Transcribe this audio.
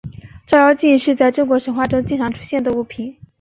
照妖镜是在中国神话中经常出现的物品。